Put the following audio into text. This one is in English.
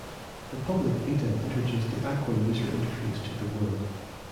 The Public Beta introduced the Aqua user interface to the world.